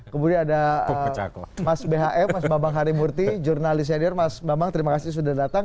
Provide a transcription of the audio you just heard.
kemudian ada mas bhm mas bambang harimurti jurnalis senior mas bambang terima kasih sudah datang